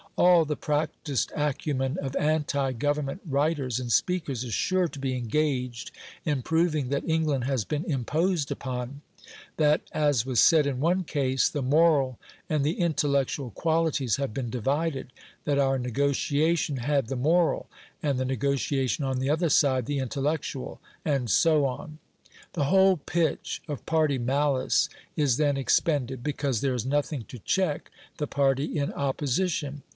All the practised acumen of anti Government writers and speakers is sure to be engaged in proving that England has been imposed upon that, as was said in one case, "The moral and the intellectual qualities have been divided; that our negotiation had the moral, and the negotiation on the other side the intellectual," and so on. The whole pitch of party malice is then expended, because there is nothing to check the party in opposition.